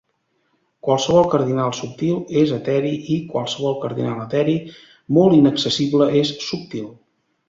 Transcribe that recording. Qualsevol cardinal subtil és eteri i qualsevol cardinal eteri molt inaccessible és subtil.